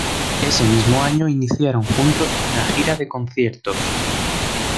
Ese mismo año iniciaron juntos una gira de conciertos.